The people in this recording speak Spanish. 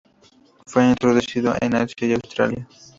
Fue introducido en Asia y Australia.